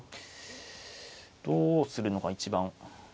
どうするのが一番。